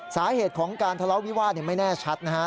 สาเหตุของการทะเลาะวิวาสไม่แน่ชัดนะฮะ